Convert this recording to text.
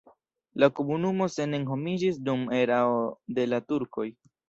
La komunumo ne senhomiĝis dum erao de la turkoj.